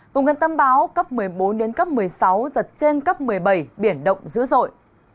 vùng gần tâm báo cấp một mươi bốn đến cấp một mươi sáu giật trên cấp một mươi bảy biển động dữ dội